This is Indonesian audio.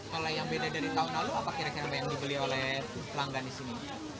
kalau yang beda dari tahun lalu apa kira kira yang dibeli oleh pelanggan di sini